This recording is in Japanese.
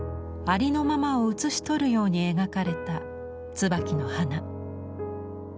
ありのままを写し取るように描かれたツバキの花。